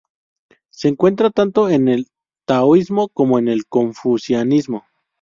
Se encuentra tanto en el taoísmo como en el confucianismo.